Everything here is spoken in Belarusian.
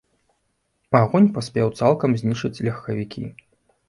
Агонь паспеў цалкам знішчыць легкавікі.